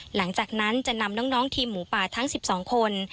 หลังจากนั้นจะนำน้องทีมหมูป่าทั้ง๑๒คน